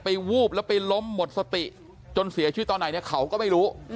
วูบแล้วไปล้มหมดสติจนเสียชีวิตตอนไหนเนี่ยเขาก็ไม่รู้